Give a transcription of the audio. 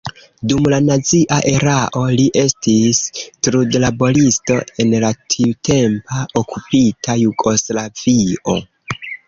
Dum la nazia erao li estis trudlaboristo en la tiutempa okupita Jugoslavio.